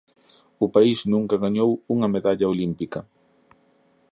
O país nunca gañou unha medalla olímpica.